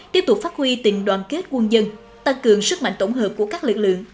tiếp tục phát huy tình đoàn kết quân dân tăng cường sức mạnh tổng hợp của các lực lượng